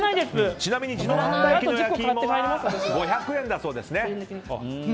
ちなみに自動販売機の焼き芋は５００円だそうですね。